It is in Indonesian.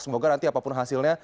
semoga nanti apapun hasilnya